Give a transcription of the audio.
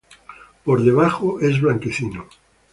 Por abajo es blanquecino.